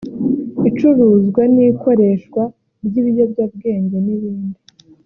icuruzwa n’ikoreshwa ry’ibiyobyabwenge n’ibindi